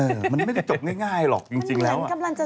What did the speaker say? มันไม่ได้จบง่ายหรอกจริงแล้ว